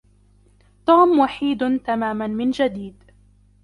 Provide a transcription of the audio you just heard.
توم وحيد تماما من جديد.